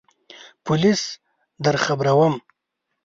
پولیس درخبروم !